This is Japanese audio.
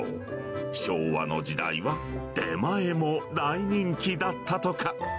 昭和の時代は出前も大人気だったとか。